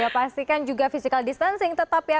iya ya pastikan juga physical distancing tetap ya